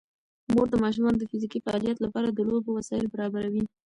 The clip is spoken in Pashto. مور د ماشومانو د فزیکي فعالیت لپاره د لوبو وسایل برابروي.